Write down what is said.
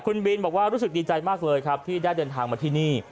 คุณบินบอกว่ารู้สึกดีใจมากเลยครับที่ได้เดินทางมาที่นี่